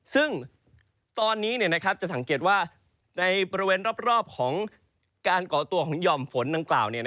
ซึ่งตอนนี้นะครับจะสังเกตว่าในบริเวณรอบของการก่อตัวหย่อมฝนต่าง